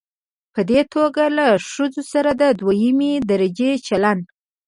په دې توګه له ښځو سره د دويمې درجې چلن